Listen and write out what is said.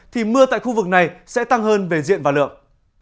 thì mưa tại khu vực này sẽ tăng hơn về diện và lượng